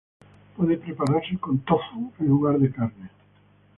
Puede prepararse con tofu en lugar de carne.